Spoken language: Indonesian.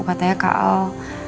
katanya kak al